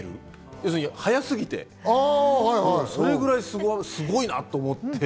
要するに速すぎて、それぐらいすごいなって思って。